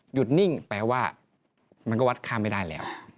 นิ่งแปลว่ามันก็วัดข้ามไม่ได้แล้ว